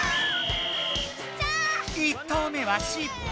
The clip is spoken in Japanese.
１投目は失敗！